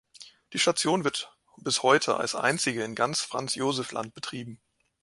Die Station wird bis heute als einzige in ganz Franz-Joseph-Land betrieben.